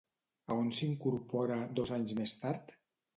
A on s'incorpora dos anys més tard?